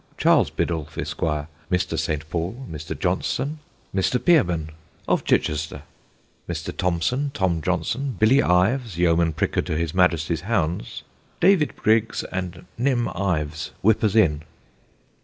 Charles Biddulph, Esq., Mr. St. Paul, Mr. Johnson, Mr. Peerman, of Chichester; Mr. Thomson, Tom Johnson, Billy Ives, Yeoman Pricker to His Majesty's Hounds; David Briggs and Nim Ives, Whippers in.